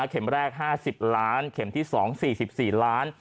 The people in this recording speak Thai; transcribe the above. เข็มแรก๕๐ล้านเข็มที่๒๔๔ล้าน